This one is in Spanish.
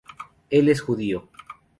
Él es judío.